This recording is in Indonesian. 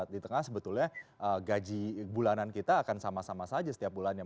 di tengah sebetulnya gaji bulanan kita akan sama sama saja setiap bulannya